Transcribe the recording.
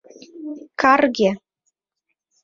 Карге!